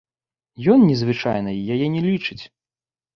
Ён незвычайнай яе не лічыць.